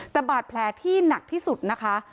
แต่บาดแผลที่หนักที่สุดนะคะ